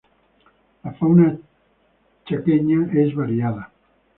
La fauna chaqueña es variada.